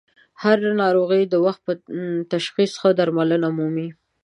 هر ه ناروغي د وخت په تشخیص ښه درملنه مومي.